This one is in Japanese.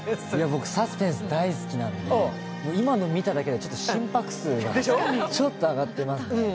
僕サスペンス大好きなんで、今の見ただけで心拍数が上がってますね。